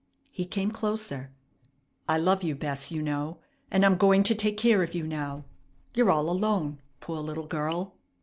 He came closer. "I love you, Bess, you know, and I'm going to take care of you now. You're all alone. Poor little girl."